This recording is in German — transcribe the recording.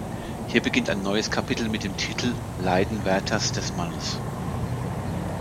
Hier beginnt ein neues Kapitel mit dem Titel: „Leiden Werthers des Mannes“.